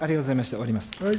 終わります。